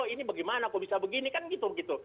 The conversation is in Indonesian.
ini bagaimana kok bisa begini kan gitu